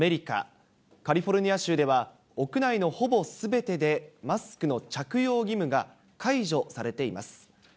カリフォルニア州では、屋内のほぼすべてでマスクの着用義務が解除されています。